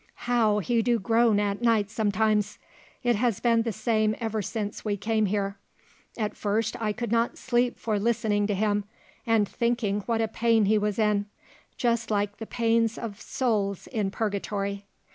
How he do groan at night sometimes! It has been the same ever since we came here. At first I could not sleep for listening to him, and thinking what a pain he was in: just like the pains of souls in purgatory."